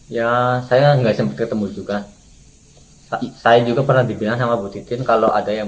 ya saya nggak sempet ketemu juga saya juga pernah dibilang sama butitin kalau ada yang